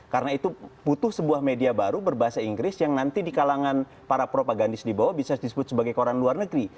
karena itu butuh sebuah media baru berbahasa inggris yang nanti di kalangan para propagandis di bawah bisa disebut sebagai koran luar negeri